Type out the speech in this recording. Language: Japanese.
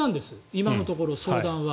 今のところ、相談は。